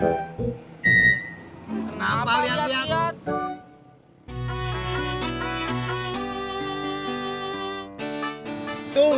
tungguin pake baju koko